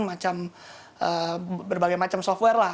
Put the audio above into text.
macam berbagai macam software lah